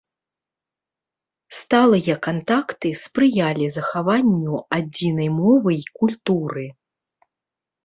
Сталыя кантакты спрыялі захаванню адзінай мовы і культуры.